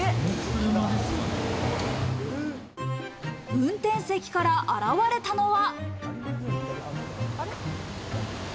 運転席から現れたのは。